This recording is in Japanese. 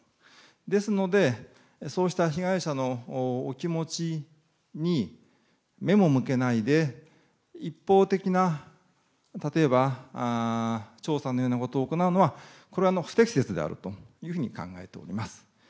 ですので、そうした被害者のお気持ちに目も向けないで、一方的な、例えば調査のようなことを行うのは、これは不適切であるというふうに考えております。